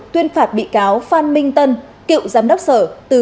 tuyên phạt bị cáo phan minh tân cựu giám đốc sở